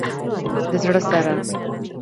د زړه سره